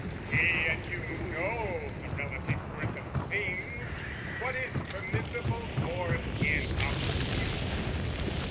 He and you know the relative worth of things, What is permissible or inopportune.